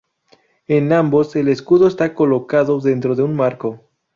En ambos, el escudo está colocado dentro de un marco.